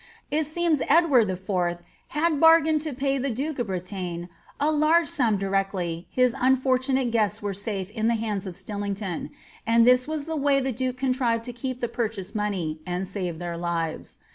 It seems Edward IV. had bargained to pay the duke of Bretagne a larg^ sum directly his unfortunate guests were safe in the hands of Stillington ; and this was the way the duke contrived to keep the purchase money, and save their lives.